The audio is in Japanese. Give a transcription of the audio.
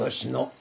あ！